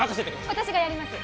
私がやります